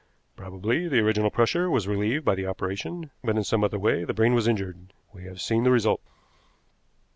Probably the original pressure was relieved by the operation, but in some other way the brain was injured. We have seen the result."